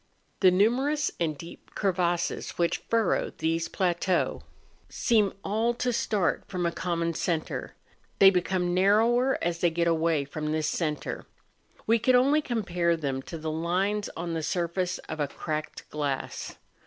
The numerous and deep crevasses which furrow these plateaux seem all to start from a common centre; they become narrower as they get away from this centre. We could only compare them to the lines on the surface of a cracked glass.